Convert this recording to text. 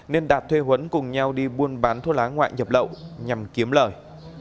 nên đạt thuê huấn cùng nhau đi buôn bán thuốc lá ngoại nhập lậu nhằm kiếm lời